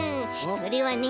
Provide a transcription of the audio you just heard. それはね。